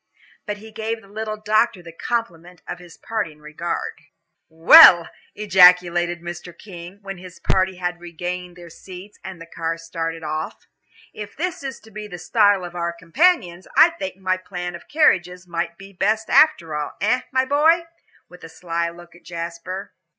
But he gave the little doctor the compliment of his parting regard. "Well," ejaculated Mr. King, when his party had regained their seats and the car started off, "if this is to be the style of our companions, I think my plan of carriages might be best after all. Eh, my boy?" with a sly look at Jasper.